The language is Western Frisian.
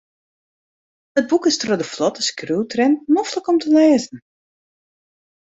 It boek is troch de flotte skriuwtrant noflik om te lêzen.